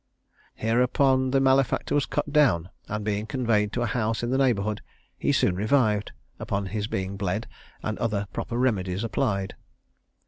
Hereupon the malefactor was cut down, and, being conveyed to a house in the neighbourhood, he soon revived, upon his being bled, and other proper remedies applied.